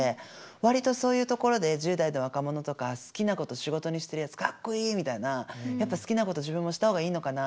割とそういうところで１０代の若者とか好きなことを仕事にしてるやつかっこいいみたいなやっぱ好きなことを自分もした方がいいのかな